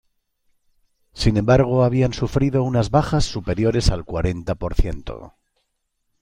Sin embargo, habían sufrido unas bajas superiores al cuarenta por ciento.